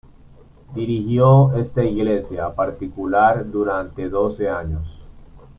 Dirigió esta iglesia particular durante doce años.